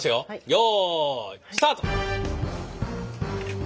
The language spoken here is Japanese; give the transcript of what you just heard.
よいスタート！